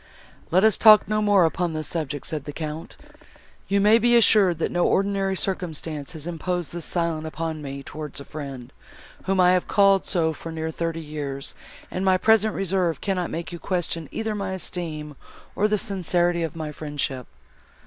"Let us talk no more upon this subject," said the Count; "you may be assured, that no ordinary circumstance has imposed this silence upon me towards a friend, whom I have called so for near thirty years; and my present reserve cannot make you question either my esteem, or the sincerity of my friendship."